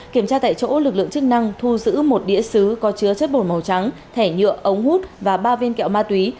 kiểm tra tại chỗ lực lượng chức năng thu giữ một đĩa xứ có chứa chất bột màu trắng thẻ nhựa ống hút và ba viên kẹo ma túy